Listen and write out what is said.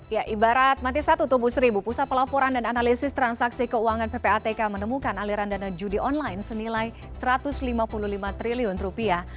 ya ibarat mati satu tubuh seribu pusat pelaporan dan analisis transaksi keuangan ppatk menemukan aliran dana judi online senilai satu ratus lima puluh lima triliun rupiah